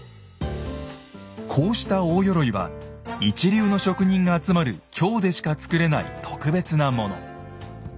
こうした大鎧は一流の職人が集まる京でしか作れない特別なもの。